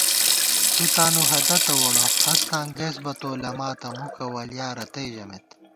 تُو تانُو ہدَتہ ووڑہ، ہستاں گئیس بہ تو لَماتہ، مُکہ ولیا رئی ژمېت